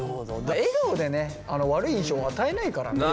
笑顔でね悪い印象与えないからね。